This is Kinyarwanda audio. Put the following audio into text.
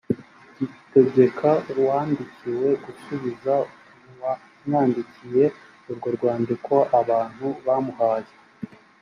gitegeka uwandikiwe gusubiza uwamwandikiye urwo rwandiko abantu bamuhaye